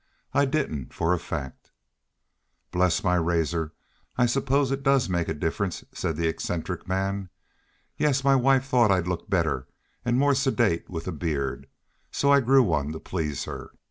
I didn't, fo' a fac'!" "Bless my razor! I suppose it does make a difference," said the eccentric man. "Yes, my wife thought I'd look better, and more sedate, with a beard, so I grew one to please her.